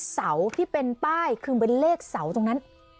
คือเป็นเลขเสาตรงนั้น